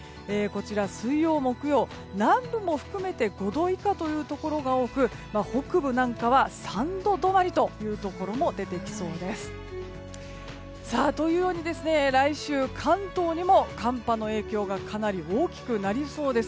水曜、木曜は南部も含めて５度以下のところが多く北部なんかは３度止まりというところも出てきそうです。というように来週関東にも寒波の影響がかなり大きくなりそうです。